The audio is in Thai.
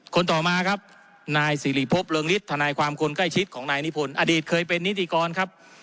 ต่อมาครับนายสิริพบเริงฤทธนายความคนใกล้ชิดของนายนิพนธ์อดีตเคยเป็นนิติกรครับ